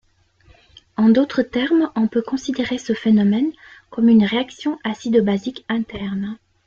En d'autres termes, on peut considérer ce phénomène comme une réaction acido-basique interne.